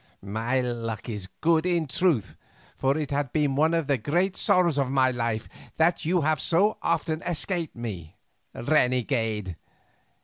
My luck is good in truth, for it has been one of the great sorrows of my life that you have so often escaped me, renegade.